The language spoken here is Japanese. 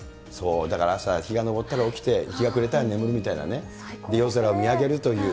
だから朝、日が昇ったら起きて、日が暮れたら眠るみたいなね、夜空を見上げるという。